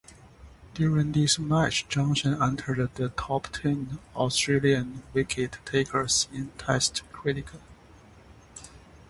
During this match Johnson entered the top ten Australian wicket takers in Test cricket.